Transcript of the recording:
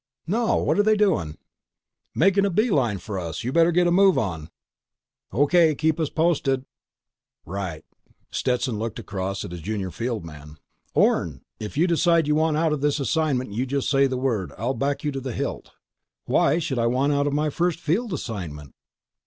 "No. What're they doing?" "Making a beeline for us. You better get a move on." "O.K. Keep us posted." "Right." Stetson looked across at his junior field man. "Orne, if you decide you want out of this assignment, you just say the word. I'll back you to the hilt." "Why should I want out of my first field assignment?"